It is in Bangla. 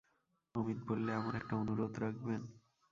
অমিত বললে, আমার একটা অনুরোধ রাখবেন?